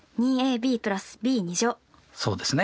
そうですね。